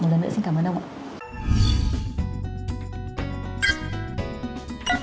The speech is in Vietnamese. một lần nữa xin cảm ơn ông ạ